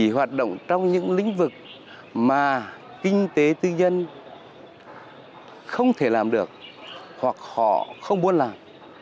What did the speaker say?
hoạt động trong những lĩnh vực mà kinh tế tư nhân không thể làm được hoặc họ không muốn làm